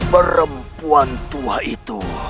perempuan tua itu